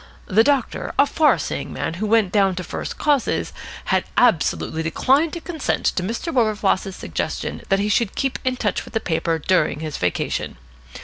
The doctor, a far seeing man who went down to first causes, had absolutely declined to consent to Mr. Wilberfloss's suggestion that he should keep in touch with the paper during his vacation.